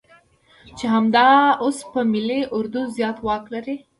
چې همدا اوس په ملي اردو زيات واک لري.